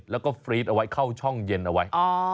แล้วก็ฟรีดเอาไว้เข้าช่องเย็นเอาไว้